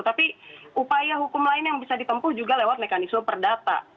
tapi upaya hukum lain yang bisa ditempuh juga lewat mekanisme perdata